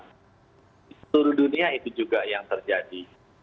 di seluruh dunia itu juga yang terjadi